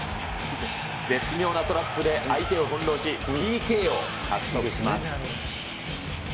絶妙なトラップで相手を翻弄し、ＰＫを獲得します。